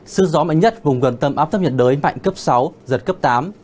sư gió mạnh nhất vùng gần tầm áp thấp nhật đới mạnh cấp sáu giật cấp tám